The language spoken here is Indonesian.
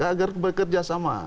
agar bekerja sama